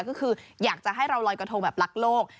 ก็คืออยากจะให้เราลอยกระทงแบบรักโลก